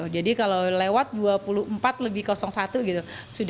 jadi kalau lewat dua puluh empat lebih satu gitu